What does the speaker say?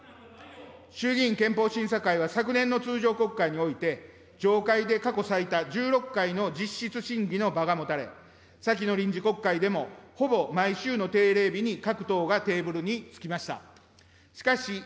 衆議院憲法審査会は昨年の通常国会において、常会で過去最多１６回の実質審議の場が持たれ、先の臨時国会でも、ほぼ毎週の定例日に、各党がテーブルにつきました。